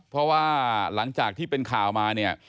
เพราะว่าหลังจากที่เป็นข่าวมาเนี่ย